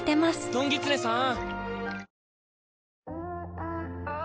どんぎつねさーん！